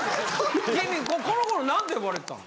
君この頃なんて呼ばれてたの？